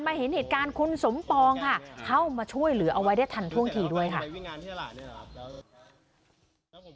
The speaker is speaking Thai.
มีเหตุการณ์คุณสมปองครับ